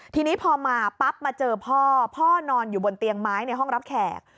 ทีนี้พอมาปั๊บมาเจอพ่อพ่อนอนอยู่บนเตียงไม้ในห้องรับแขก